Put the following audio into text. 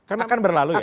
akan berlalu ya